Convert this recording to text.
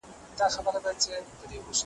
ته له مستۍ د پېغلتوبه خو چي نه تېرېدای ,